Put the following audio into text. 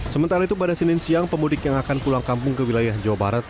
sementara itu pada senin siang pemudik yang akan pulang kampung ke wilayah jawa barat